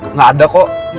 nggak ada kok